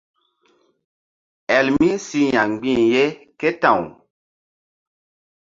Elmi si ya̧ mgbi̧h ye ké ta̧w.